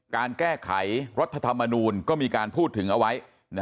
การแก้ไขรัฐธรรมนูลก็มีการพูดถึงเอาไว้